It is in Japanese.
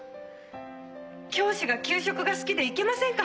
教師が給食が好きでいけませんか？